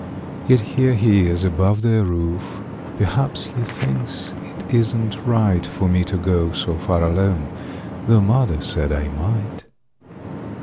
Yet here he is above their roof; Perhaps he thinks it isn't right For me to go so far alone, Tho' mother said I might.